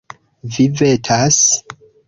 Vi vetas.